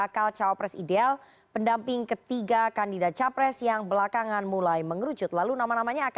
kita lihat selanjutnya